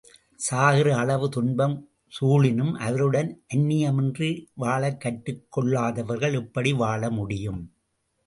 சாகிற அளவு துன்பம் சூழினும் அவருடன் அந்நியமின்றி வாழக்கற்றுக் கொள்ளாதவர்கள் எப்படி வாழமுடியும்!